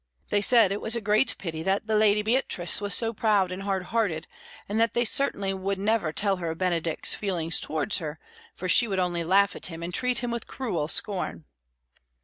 They said it was a great pity that the lady Beatrice was so proud and hard hearted, and that they certainly would never tell her of Benedick's feelings towards her, for she would only laugh at him and treat him with cruel scorn.